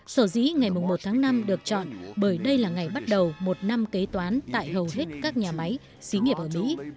sở dĩ ngày một tháng năm được chọn bởi đây là ngày bắt đầu một năm kế toán tại hầu hết các nhà máy xí nghiệp ở mỹ